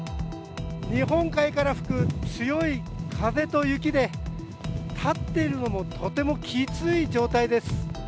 日本海から吹く強い風と雪で立っているのもとてもきつい状態です。